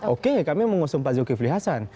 oke kami mengusumpah zulkifli hasan